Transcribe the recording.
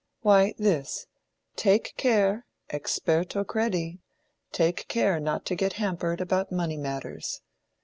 "Why, this. Take care—experto crede—take care not to get hampered about money matters.